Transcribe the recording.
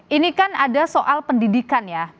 ini kan ada soal pendidikan ya